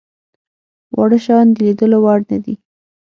واړه شيان د ليدلو وړ نه دي.